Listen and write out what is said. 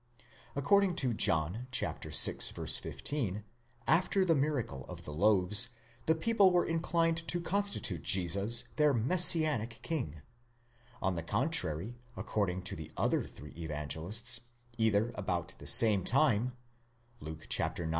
According to John (vi. 15), after the miracle of the loaves the people were inclined to constitute Jesus their (messianic) King; on the contrary, accord ing to the other three Evangelists, either about the same time (Luke ix.